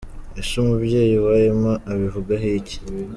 Ese umubyeyi wa Emma abivugaho iki ?.